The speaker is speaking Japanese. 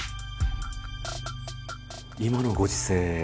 今のご時世